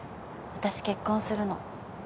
私結婚するの。